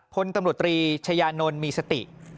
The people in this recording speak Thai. พลตำรวจตรีชายานนท์มีสติ